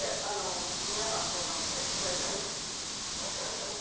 皆さんそうなので大丈夫です。